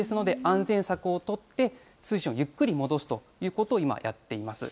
ですので、安全策を取って通信をゆっくり戻すということを今、やっています。